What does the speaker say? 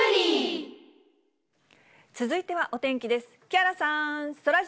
続いてはお天気です。